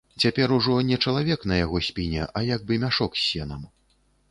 Цяпер ужо не чалавек на яго спіне, а як бы мяшок з сенам.